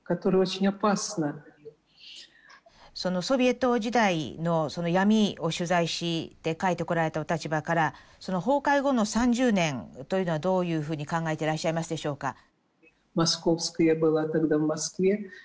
ソビエト時代のその闇を取材して書いてこられたお立場から崩壊後の３０年というのはどういうふうに考えてらっしゃいますでしょうか？